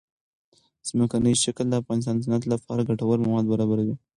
ځمکنی شکل د افغانستان د صنعت لپاره ګټور مواد برابروي.